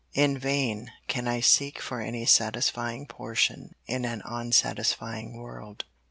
In vain can I seek for any satisfying portion in an unsatisfying world.